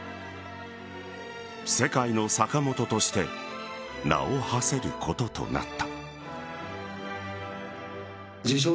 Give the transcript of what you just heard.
世界の坂本として名をはせることとなった。